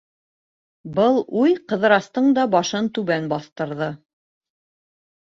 Был уй Ҡыҙырастың да башын түбән баҫтырҙы.